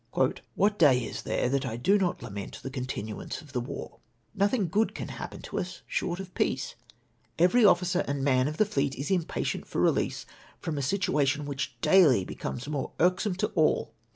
" What day is there that I do not lament the continuance of the Avar ? Nothing good can happen to us short of peace. Every officer and man of the fleet is impatient for release from a situation which daily becomes more irksome to all.